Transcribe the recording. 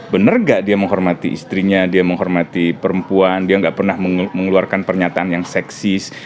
benar nggak dia menghormati istrinya dia menghormati perempuan dia nggak pernah mengeluarkan pernyataan yang seksis